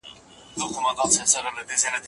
تاسو به له خپل ژوند څخه د رښتیا مینه اخلئ.